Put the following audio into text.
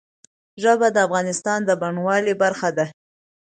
ژبې د افغانستان د بڼوالۍ برخه ده.